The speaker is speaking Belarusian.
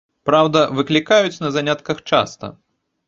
Праўда, выклікаюць на занятках часта.